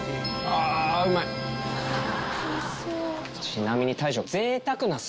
ちなみに大将。